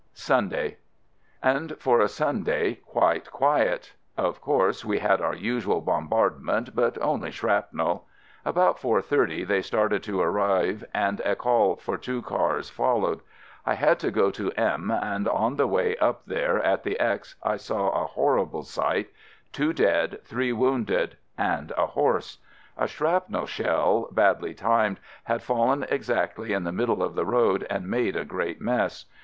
Sunday. And for a Sunday, quite quiet. Of course we had our usual bombardment, but only shrapnel. About 4.30, they started to arrive and a call for two cars followed. I had to go to M and on 130 AMERICAN AMBULANCE the way up there, at the X I saw a horrible sight, two dead, three wounded — and a horse. A shrapnel shell, badly timed, had fallen exactly in the middle of the road and made a great mess.